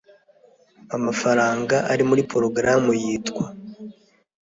amafaranga ari muri porogaramu yitwa